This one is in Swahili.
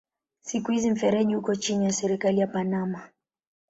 Siku hizi mfereji uko chini ya serikali ya Panama.